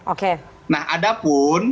oke nah ada pun